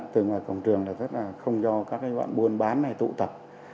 từ ngoài cổng trường là không do các bạn buôn bán hay tụ tập